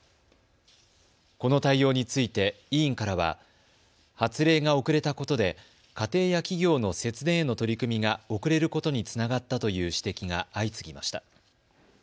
この対応について委員からは発令が遅れたことで家庭や企業の節電への取り組みが遅れることにつながったという指摘が相次ぎました。